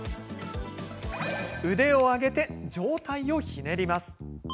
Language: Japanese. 腕を上げて上体をひねります。